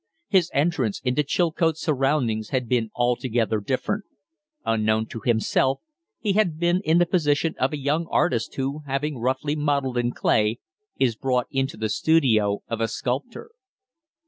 His entrance into Chilcote's surroundings had been altogether different. Unknown to himself, he had been in the position of a young artist who, having roughly modelled in clay, is brought into the studio of a sculptor.